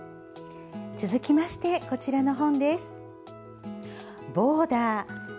続きましてこちらの本。